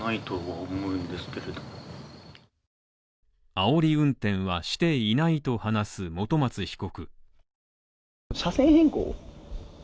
あおり運転はしていないと話す本松被告。